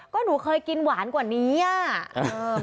ก็หนูเคยกินหวานกว่านี้อ่ะ